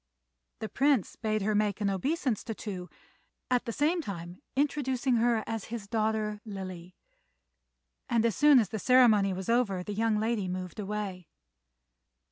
The Prince bade her make an obeisance to Tou, at the same time introducing her as his daughter Lily; and as soon as the ceremony was over the young lady moved away.